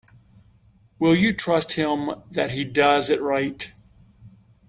Will you trust him that he does it right?